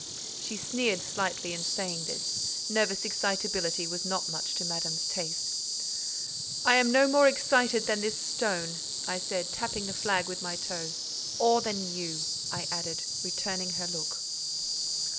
She sneered slightly in saying this: nervous excitability was not much to Madame's taste. "I am no more excited than this stone," I said, tapping the flag with my toe: "or than you," I added, returning her look.